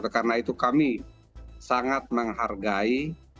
karena itu kami sangat menghargai